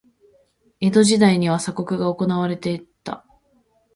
江戸時代には鎖国が行われた。